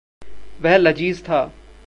वह लज़ीज़ था।